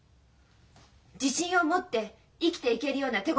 自信を持って生きていけるような手応え。